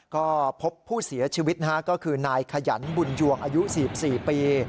ก็พบผู้เสียชีวิตนะฮะก็คือนายขยันบุญยวงอายุ๔๔ปี